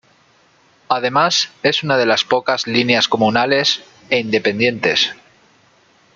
Además, es una de las pocas línea comunales, e independientes.